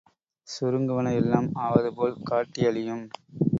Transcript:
சுருங்குவன எல்லாம் ஆவது போல் காட்டி அழியும்.